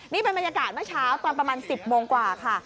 นี่เป็นบรรยากาศเมื่อเช้าตอนประมาณ๑๐โมงกว่าค่ะ